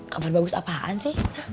kabar bagus apaan sih